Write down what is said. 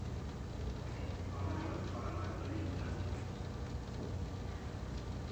அவரவர் பலகாரங்களை உண்டனர்.